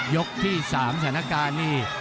ยกที่๓สถานการณ์นี่